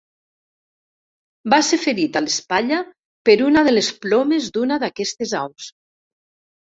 Va ser ferit a l'espatlla per una de les plomes d'una d'aquestes aus.